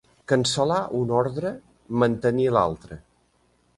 Cancel·lar un ordre, mantenir l'altre.